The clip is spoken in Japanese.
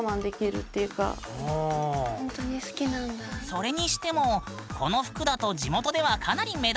それにしてもこの服だと地元ではかなり目立たない？